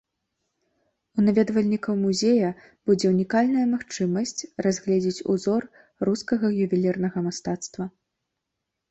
У наведвальнікаў музея будзе ўнікальная магчымасць разгледзець узор рускага ювелірнага мастацтва.